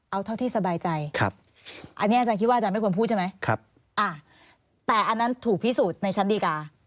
เอาเท่าที่สบายใจอันนี้อาจารย์คิดว่าอาจารย์ไม่ควรพูดใช่ไหมแต่อันนั้นถูกพิสูจน์ในชั้นดีกา